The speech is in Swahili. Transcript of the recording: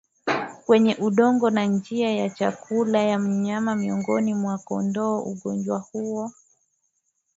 kwenye udongo na njia ya chakula ya mnyama Miongoni mwa kondoo ugonjwa huu